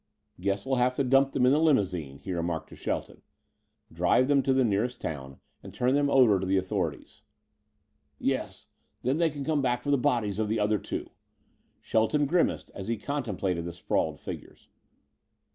"Guess we'll have to dump them in the limousine," he remarked to Shelton. "Drive them to the nearest town and turn them over to the authorities." "Yes. Then they can come back for the bodies of the other two." Shelton grimaced as he contemplated the sprawled figures.